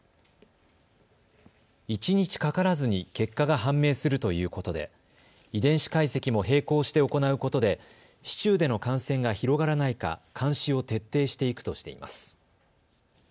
一日かからずに結果が判明するということで遺伝子解析も並行して行うことで市中での感染が広がらないか監視を徹底していくとしています。